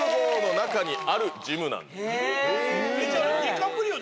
じゃあディカプリオ？